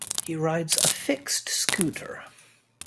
He rides a fixed scooter.